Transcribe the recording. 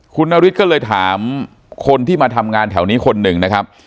คุณนฤทธิ์ก็เลยถามคนที่มาทำงานแถวนี้คนหนึ่งนะครับ